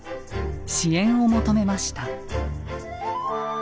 支援を求めました。